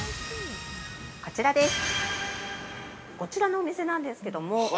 ◆こちらです。